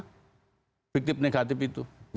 kita hadapi di pengadilan itu dan sana